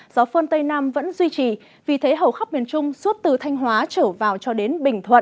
gió phơn tây nam vẫn duy trì vì thế hầu khắp miền trung suốt từ thanh hóa trở vào cho đến bình thuận